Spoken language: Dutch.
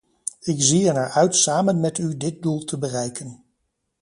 Ik zie er naar uit samen met u dit doel te bereiken.